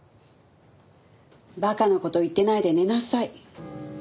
馬鹿な事言ってないで寝なさい。